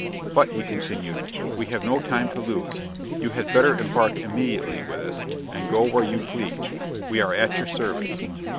"But," he continued, "we have no time to lose; you had better embark immediately with us, and go where you please, we are at your service."